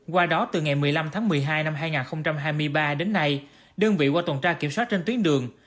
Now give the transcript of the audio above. qua đó từ ngày một mươi năm tháng một mươi hai năm hai nghìn hai mươi ba đến nay đơn vị qua tuần tra kiểm soát trên tuyến đường